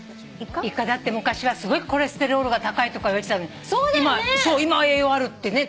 イカだって昔はすごいコレステロールが高いとかいわれてたのに今は栄養あるってね。